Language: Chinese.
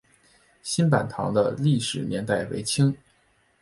新坂堂的历史年代为清。